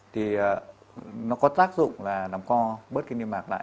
thì nó có tác dụng là làm co bớt cái liên mạc lại